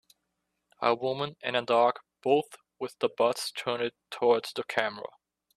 a woman and a dog both with the butts turned towards the camera